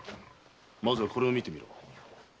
まずはこれを見てみろ。